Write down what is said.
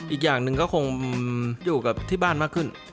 อีกอย่างหนึ่งก็คงอยู่กับที่บ้านมากขึ้น